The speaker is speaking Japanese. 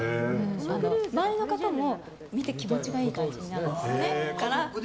周りの方も見て気持ちがいい感じになるんです。